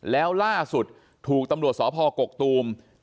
แล้วล่าสุดถูกตำรวจสพกกตูม